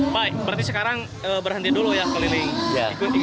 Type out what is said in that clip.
pak berarti sekarang berhenti dulu ya keliling